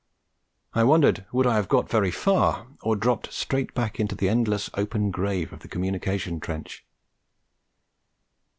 I wondered would I have got very far, or dropped straight back into the endless open grave of the communication trench.